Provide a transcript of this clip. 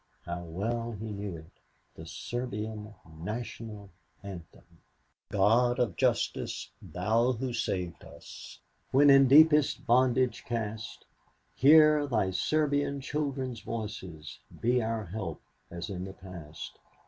How well he knew it! The Serbian National Anthem: "God of Justice! Thou Who saved us When in deepest bondage cast, Hear Thy Serbian children's voices, Be our help as in the past.